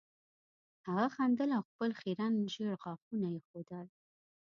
هغه خندل او خپل خیرن زیړ غاښونه یې ښودل